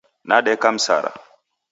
Nadeka Msara.